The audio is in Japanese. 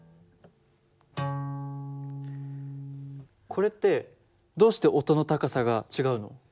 これってどうして音の高さが違うの？